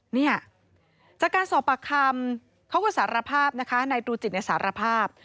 เนี่ยจากการสอบปากคำเขาก็สารภาพนะคะนายตรูจิตสารภาพ